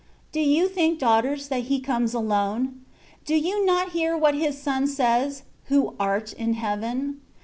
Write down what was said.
Do you think, daughters, that He comes alone ? Do you not hear what His Son says, "Who art in Heaven